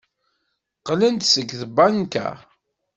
Qqlen-d seg tbanka.